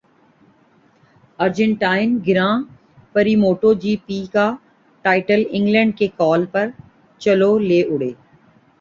Argentine grand prix moto G P کا title England کے Cal Crutchlow لے اڑے